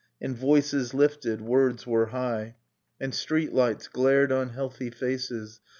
And voices lifted, words were high, And street lights glared on healthy faces.